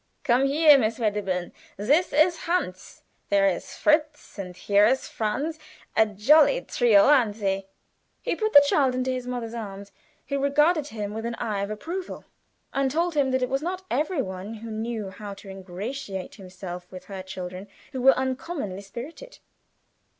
"Come here, Miss Wedderburn; this is Hans, there is Fritz, and here is Franz a jolly trio; aren't they?" He put the child into his mother's arms, who regarded him with an eye of approval, and told him that it was not every one who knew how to ingratiate himself with her children, who were uncommonly spirited.